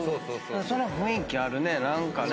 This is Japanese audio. その雰囲気あるね何かね。